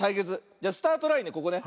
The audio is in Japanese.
じゃスタートラインねここね。